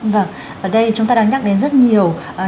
vâng ở đây chúng ta đang nhắc đến rất nhiều